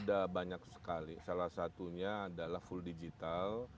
ada banyak sekali salah satunya adalah full digital